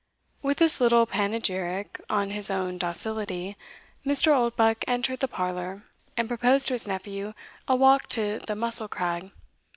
With this little panegyric on his own docility, Mr. Oldbuck entered the parlour, and proposed to his nephew a walk to the Mussel crag.